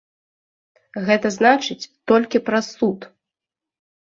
Гэта значыць, толькі праз суд!